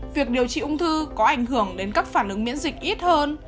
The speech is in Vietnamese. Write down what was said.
việc điều trị ung thư có ảnh hưởng đến các phản ứng miễn dịch ít hơn